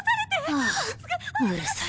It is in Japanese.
あぁうるさい。